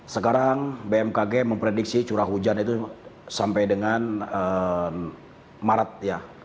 sekarang bmkg memprediksi curah hujan itu sampai dengan maret ya